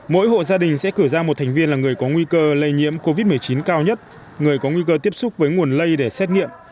mỗi hộ gia đình sẽ cử ra một thành viên là người có nguy cơ lây nhiễm covid một mươi chín cao nhất người có nguy cơ tiếp xúc với nguồn lây để xét nghiệm